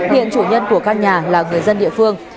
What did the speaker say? hiện chủ nhân của căn nhà là người dân địa phương